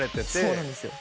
そうなんですよ。